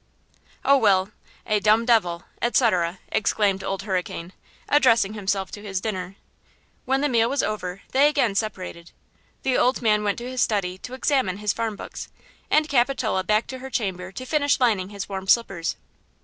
"Oh, very well, 'a dumb devil,' etc.," exclaimed Old Hurricane, addressing himself to his dinner. When the meal was over they again separated. The old man went to his study to examine his farm books, and Capitol back to her chamber to finish lining his warm slippers.